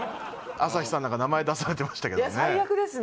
朝日さんなんか名前出されてましたけどね最悪ですね